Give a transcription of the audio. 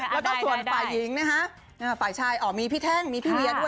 แล้วก็ส่วนฝ่ายหญิงนะค่ะมีพี่แท่งมีพี่เรียดด้วย